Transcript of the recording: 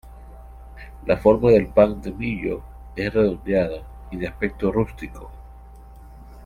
La forma del pan de millo es redondeada y de aspecto rústico.